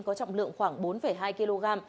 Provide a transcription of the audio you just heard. có trọng lượng khoảng bốn hai kg